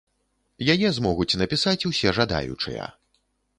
Яе змогуць напісаць усе жадаючыя.